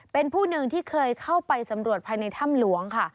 เป็นผู้หนึ่งที่เคยเข้าไปสำรวจภายในถ้ำหลวงค่ะ